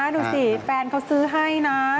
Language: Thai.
ดูสิแฟนเขาซื้อให้นะ